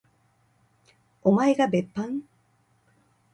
おまえが別班？